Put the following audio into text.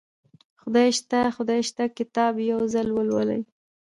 خدای شته خدای شته کتاب یو ځل ولولئ